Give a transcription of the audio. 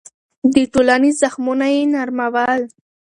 د ټولنې زخمونه يې نرمول.